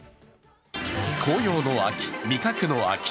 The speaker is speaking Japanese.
紅葉の秋、味覚の秋。